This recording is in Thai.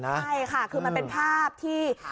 ใช่ค่ะคือมันเป็นภาพที่